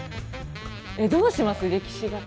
えっどうします？